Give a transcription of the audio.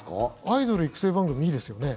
アイドル育成番組いいですよね？